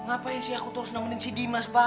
ngapain sih aku terus nemenin si dimas pak